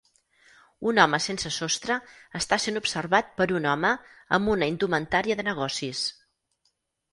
Un home sense sostre està sent observat per un home amb una indumentària de negocis.